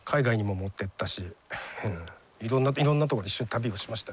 いろんなとこ一緒に旅をしました。